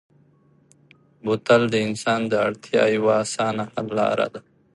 بوتل د انسان د اړتیا یوه اسانه حل لاره ده.